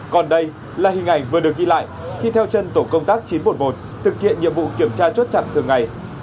còn đây là hình ảnh vừa được ghi lại khi theo chân tổ công tác chín trăm một mươi một thực hiện nhiệm vụ kiểm tra chốt chặn thường ngày